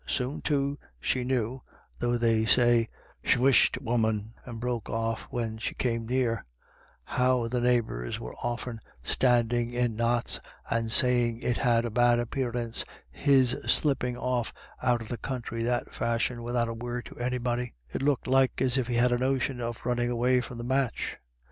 Soon, too, she knew — though they said, " Shoo whisht woman," and broke off when she came near — how the neigh bours were often standing in knots and saying it BETWEEN TWO LADY DA VS. 21 1 had a bad appearance, his slipping off out of the country that fashion, without a word to anybody ; it looked like as if he had a notion of running away from the match.